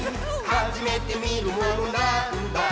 「はじめてみるものなぁーんだ？」